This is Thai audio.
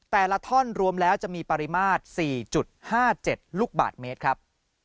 แต่ละท่อนรวมแล้วจะมีปริมาตร๔๕๗ลูกบาทเมตรครับ